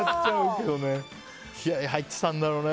気合入ってたんだろうね。